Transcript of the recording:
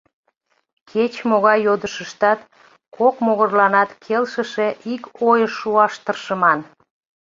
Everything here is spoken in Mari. Кеч-могай йодышыштат кок могырланат келшыше ик ойыш шуаш тыршыман.